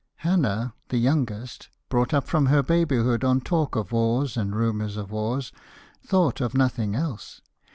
Hannah, the youngest, brought up from her babyhood on talk of wars and rumours of wars, thought of nothing else.